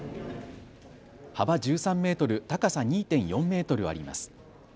幅１３メートル、高さ２．４メートルあります。